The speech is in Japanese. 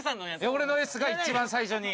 俺の「Ｓ」が一番最初に。